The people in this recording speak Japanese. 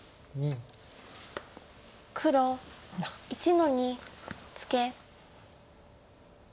黒１の二ツケ。